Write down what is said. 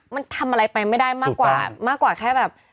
มันทำอะไรไปไม่ได้มากกว่ามากกว่าแค่แบบ